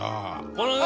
このね。